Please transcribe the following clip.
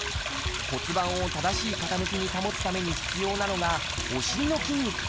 骨盤を正しい傾きに保つために必要なのがお尻の筋肉。